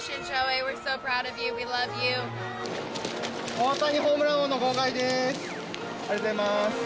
大谷ホームラン王の号外です。